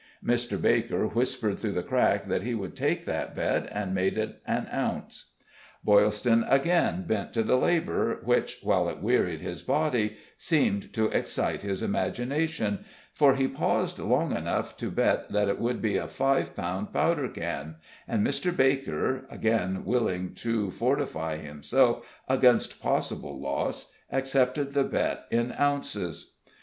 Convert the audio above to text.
Mr. Baker whispered through the crack that he would take that bet, and make it an ounce. Boylston again bent to the labor, which, while it wearied his body, seemed to excite his imagination, for he paused long enough to bet that it would be a five pound powder can, and Mr. Baker, again willing to fortify himself against possible loss, accepted the bet in ounces.